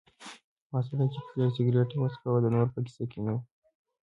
هغه سړی چې سګرټ یې څکاوه د نورو په کیسه کې نه و.